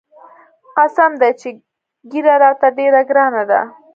قسم دى چې ږيره راته ډېره ګرانه ده.